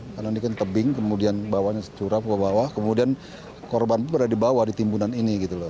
karena ini kan tebing kemudian bawahnya curah kemudian korban berada di bawah di timbunan